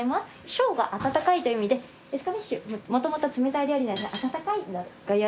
ショーが温かいという意味でエスカベッシュもともと冷たい料理なので温かいのをご用意しております。